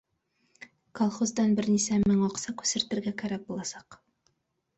Колхоздан бер нисә мең аҡса күсертергә кәрәк буласаҡ